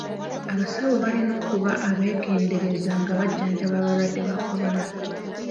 Abasawo balina okuba abeegendereza nga bajjanjaba abalwadde ba kolona.